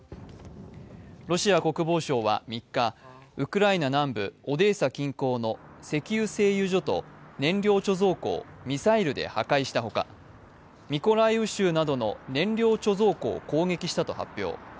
ロシア国防省は３日、ウクライナ南部オデーサ近郊の石油製油所と燃料貯蔵庫をミサイルで破壊した他、ミコライウ州などの燃料貯蔵庫を攻撃したと発表。